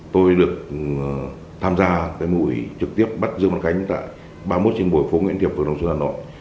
tôi được tham gia cái mũi trực tiếp bắt dương văn khánh tại ba mươi một sinh bồi phố nguyễn thiệp phường đồng xuân hà nội